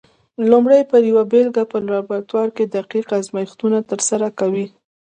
لومړی پر یوه بېلګه په لابراتوار کې دقیق ازمېښتونه ترسره کوي؟